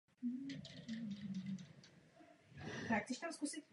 Následovala rekonstrukce stávajících tribun a byla vybudována nová tribuna jih za brankou.